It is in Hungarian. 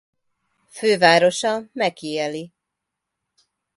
Fővárosa Mek’ele.